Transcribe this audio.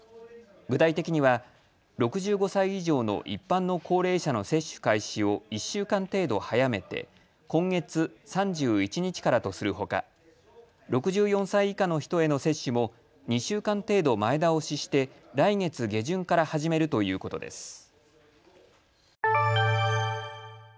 具体的には６５歳以上の一般の高齢者の接種開始を１週間程度早めて今月３１日からとするほか、６４歳以下の人への接種も２週間程度前倒しして来月下旬から始めるということです。